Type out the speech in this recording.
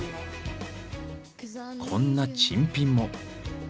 こんな珍品も。